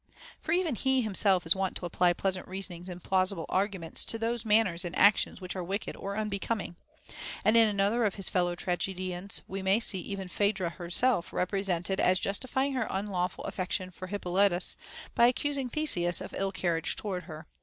For even he himself is wont to apply pleasant reasonings and plausible arguments to those manners and actions which are wicked or unbecoming. And in another of his fellow tragedians, we may see even Phaedra herself represented as justifying her unlawful affection for Hippo lvtus by accusing Theseus of ill carriage towards her.